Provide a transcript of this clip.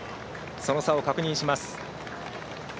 その差を確認します。